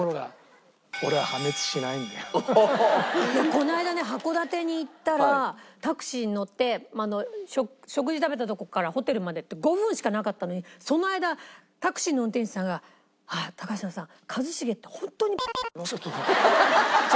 この間ね函館に行ったらタクシーに乗って食事食べたとこからホテルまで５分しかなかったのにその間タクシーの運転手さんが「高嶋さん」。